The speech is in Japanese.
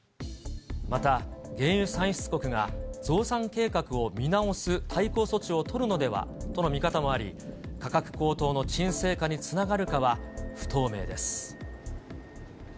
また原油産出国が増産計画を見直す対抗措置を取るのではとの見方もあり、価格高騰の沈静化につながるかは不透明です。